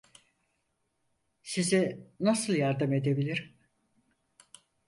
Size nasıl yardım edebilirim?